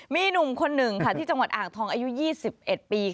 มีหนุ่มคนหนึ่งค่ะที่จังหวัดอ่างทองอายุ๒๑ปี